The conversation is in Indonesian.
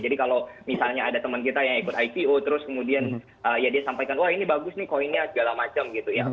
jadi kalau misalnya ada teman kita yang ikut ico terus kemudian ya dia sampaikan wah ini bagus nih koinnya segala macam gitu ya